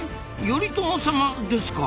頼朝様ですか？